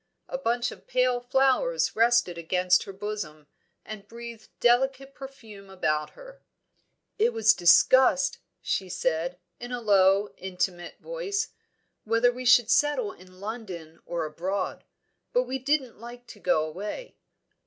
A bunch of pale flowers rested against her bosom, and breathed delicate perfume about her. "It was discussed," she said, in a low, intimate voice, "whether we should settle in London or abroad. But we didn't like to go away.